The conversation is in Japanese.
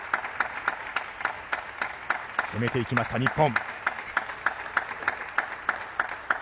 攻めていきました、日本。